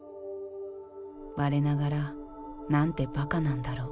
我ながらなんてばかなんだろう。